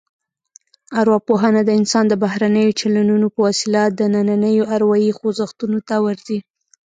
ارواپوهنه د انسان د بهرنیو چلنونو په وسیله دنننیو اروايي خوځښتونو ته ورځي